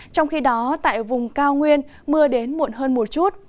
trong khi đó tại vùng cao nguyên mưa đến muộn hơn một chút